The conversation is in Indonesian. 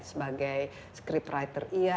sebagai script writer iya